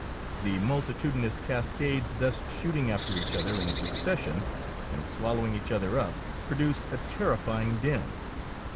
The multitudinous cascades thus shooting after each other in succession, and swallowing each other up, produce a terrifying din.